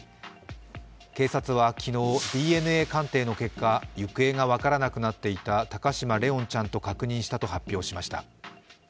警察は昨日、ＤＮＡ鑑定の結果行方が分からなくなっていた高嶋怜音ちゃんと確認したと発表しました。